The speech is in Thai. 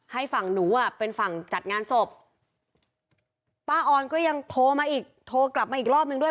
ให้ฝั่งหนูอ่ะเป็นฝั่งจัดงานศพป้าออนก็ยังโทรมาอีกโทรกลับมาอีกรอบนึงด้วย